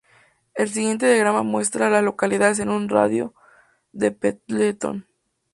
El siguiente diagrama muestra a las localidades en un radio de de Pendleton.